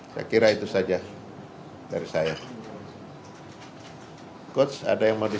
saya kira kita harus berusaha untuk mencapai kemampuan berprestasi